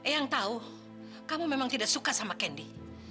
yang tahu kamu memang tidak suka sama kendi